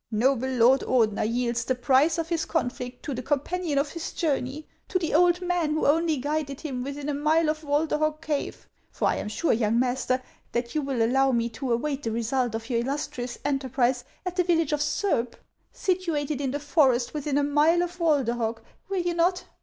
Noble Lord Ordener yields the price of his con flict to the companion of his journey, to the old man who only guided him within a mile of Walderhog cave ; for I am sure, young master, that you will allow me to await the result of your illustrious enterprise at the village of Surb, situated in the forest within a mile of Walderhog, HANS OF ICELAND 219 will you not